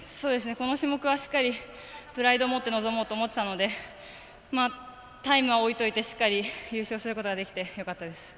この種目はしっかりプライドを持って臨もうと思っていたのでタイムは置いといてしっかり優勝することができてよかったです。